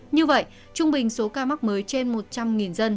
như vậy trung bình số ca mắc mới trên một trăm linh dân